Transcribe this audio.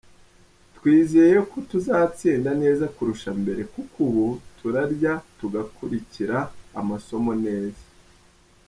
Twizeye ko tuzatsinda neza kurusha mbere kuko ubu turarya tugakurikira amasomo neza”.